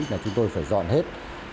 để chúng tôi phải dọn hết